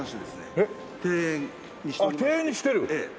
あっ庭園にしてる。